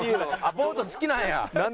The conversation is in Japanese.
ボート好きなんや。